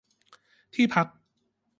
ที่พัก